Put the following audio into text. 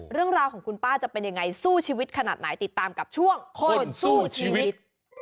เรื่องราวของคุณป้าจะเป็นยังไงสู้ชีวิตขนาดไหนติดตามกับช่วงคนสู้ชีวิต